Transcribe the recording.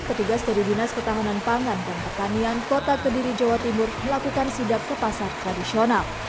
petugas dari dinas ketahanan pangan dan pertanian kota kediri jawa timur melakukan sidak ke pasar tradisional